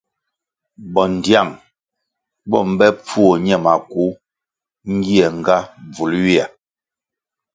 Bondtiang bo mbe pfuo ñe maku ngie nga bvul ywia.